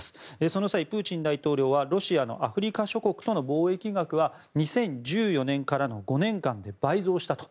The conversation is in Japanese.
その際、プーチン大統領はロシアのアフリカ諸国との貿易額は２０１４年からの５年間で倍増したと。